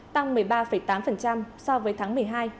tăng một mươi ba tám so với tháng một mươi hai